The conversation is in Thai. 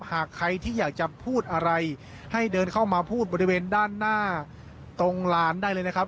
หากใครที่อยากจะพูดอะไรให้เดินเข้ามาพูดบริเวณด้านหน้าตรงลานได้เลยนะครับ